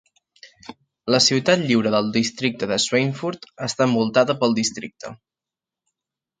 La ciutat lliure del districte Schweinfurt està envoltada pel districte.